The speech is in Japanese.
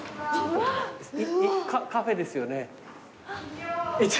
カフェですよね？